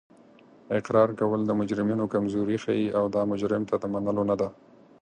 اقرار کول د مجرمینو کمزوري ښیي او دا مجرم ته د منلو نه ده